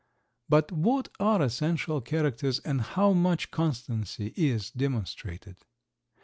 But what are essential characters and how much constancy is demonstrated?